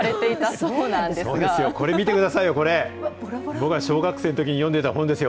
そうですよ、これ見てくださいよ、これ、僕が小学生のときに、読んでた本ですよ。